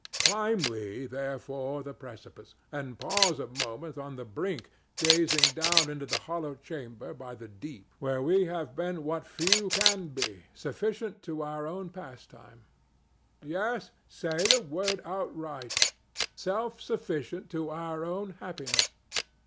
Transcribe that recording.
Climb we, therefore, the precipice, and pause a moment on the brink gazing down into that hollow chamber by the deep where we have been what few can be—sufficient to our own pastime. Yes, say the word outright: self sufficient to our own happiness.